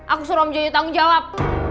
aku suruh om jojo tanggung jawab